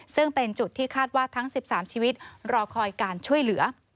ซึ่งเป็นจุดที่คาดว่าทั้ง๑๓ชีวิตรอคอยการช่วยเหลือ